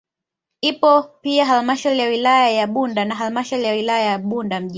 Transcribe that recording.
Ipo pia halmashauri ya wilaya ya Bunda na halmashauri ya wilaya ya Bunda mjini